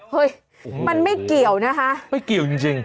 เฮ้ยมันไม่เกี่ยวนะคะไม่เกี่ยวจริง